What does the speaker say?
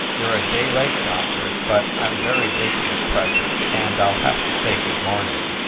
"You re a day late, Doctor. But I m very busy at present, and I ll have to say good morning